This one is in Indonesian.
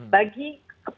bagi banyak sekali jumlahnya